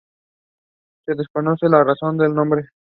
Se desconoce la razón del nombre.